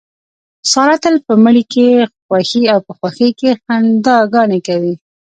ساره تل په مړي کې خوښي او په خوښۍ کې خندا ګانې کوي.